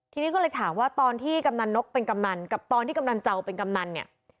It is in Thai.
ทีนี้ก็เลยถามว่าตอนที่กำนันนกเป็นกำนันกับตอนที่กำนันเจ้าเป็นกำนันเนี่ย